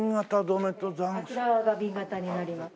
あちらが紅型になります。